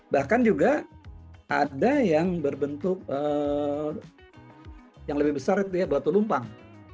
bahkan juga ada yang berbentuk yang lebih besar itu ya batu numpang